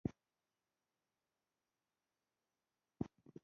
دا عادت د غندلو دی.